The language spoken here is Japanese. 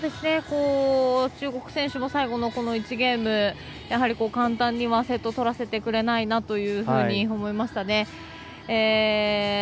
中国選手も最後の１ゲームやはり、簡単にはセット取らせてくれないなというふうに思いましたね。